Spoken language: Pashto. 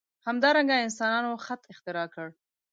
همدارنګه انسانانو خط اختراع کړ.